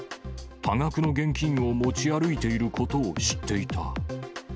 多額の現金を持ち歩いていることを知っていた。